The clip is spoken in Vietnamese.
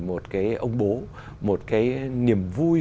một ông bố một niềm vui